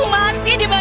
sekarang harus lompat